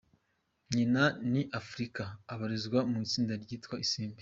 Nyina ni Afurika abarizwa mu itsinda ryitwa Isimbi.